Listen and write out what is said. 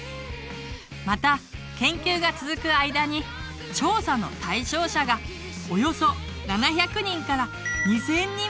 また研究が続く間に調査の対象者がおよそ７００人から２，０００人までに拡大。